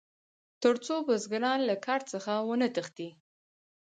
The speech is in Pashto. تر څو بزګران له کار څخه ونه تښتي.